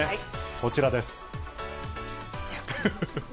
こちらです。